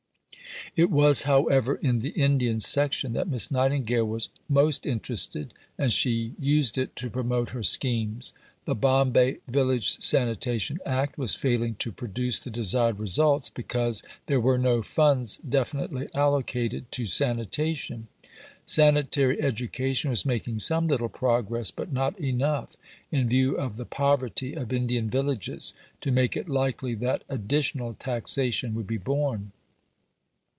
It was, however, in the Indian section that Miss Nightingale was most interested, and she used it to promote her schemes. The Bombay Village Sanitation Act was failing to produce the desired results because there were no funds definitely allocated to sanitation. Sanitary education was making some little progress, but not enough, in view of the poverty of Indian villages, to make it likely that additional taxation would be borne.